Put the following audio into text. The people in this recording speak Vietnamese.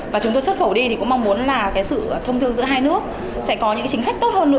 và chúng tôi xuất khẩu đi thì cũng mong muốn là cái sự thông thương giữa hai nước sẽ có những chính sách tốt hơn nữa